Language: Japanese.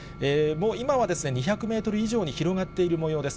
今は２００メートル以上に広がっているもようです。